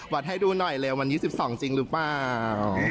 วัดให้ดูหน่อยเลยวัน๒๒จริงหรือเปล่า